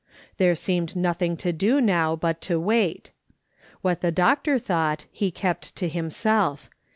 There seemed nothing to do now but to wait. "What the doctor thought he kept to himself.